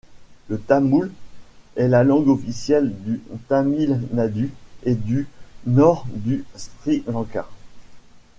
Le tamoul est la langue officielle du Tamil Nadu et du Nord du Sri-Lanka.